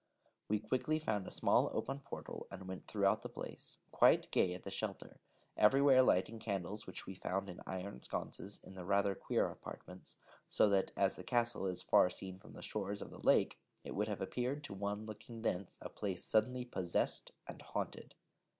We quickly found a small open portal, and went throughout the place, quite gay at the shelter, everywhere lighting candles which we found in iron sconces in the rather queer apartments: so that, as the castle is far seen from the shores of the lake, it would have appeared to one looking thence a place suddenly possessed and haunted.